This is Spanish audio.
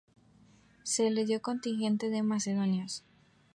Se le dio un contingente de macedonios.